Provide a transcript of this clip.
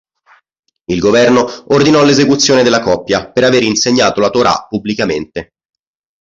Il governo ordinò l'esecuzione della coppia per aver insegnato la Torah pubblicamente.